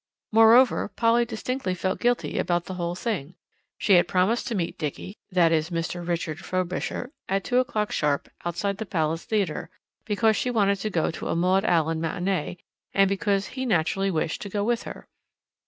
Moreover, Polly distinctly felt guilty about the whole thing. She had promised to meet Dickie that is Mr. Richard Frobisher at two o'clock sharp outside the Palace Theatre, because she wanted to go to a Maud Allan matinée, and because he naturally wished to go with her.